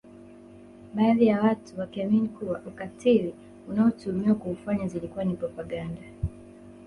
Baadhi ya watu wakiamini kuwa ukatili anaotuhumiwa kuufanya zilikuwa ni propaganda